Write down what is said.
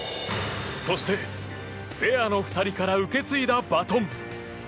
そして、ペアの２人から受け継いだバトン。